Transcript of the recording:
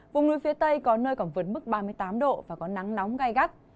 vùng núi phía tây có nơi còn vượt mức ba mươi tám độ và có nắng nóng gai gắt